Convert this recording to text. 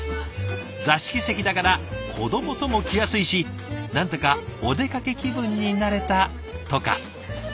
座敷席だから子どもとも来やすいし何だかお出かけ気分になれたとか。